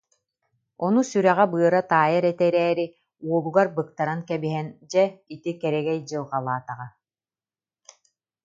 Ону сүрэҕэ-быара таайар этэ эрээри, уолугар быктаран кэбиһэн дьэ, ити, кэрэгэй дьылҕалаатаҕа